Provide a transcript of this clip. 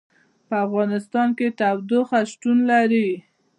په افغانستان کې تودوخه شتون لري.